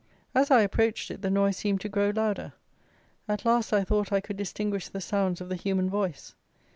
As I approached it, the noise seemed to grow louder. At last, I thought I could distinguish the sounds of the human voice.